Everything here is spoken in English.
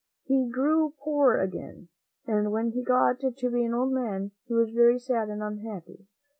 He grew poor again, and when he got to be an old man, he was very sad and unhappy.